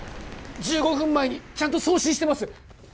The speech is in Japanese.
１５分前にちゃんと送信してます